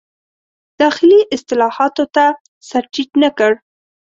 داخلي اصلاحاتو ته سر ټیټ نه کړ.